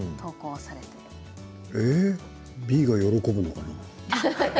Ｂが喜ぶのかな？